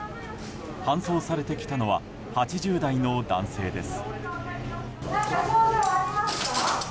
搬送されてきたのは８０代の男性です。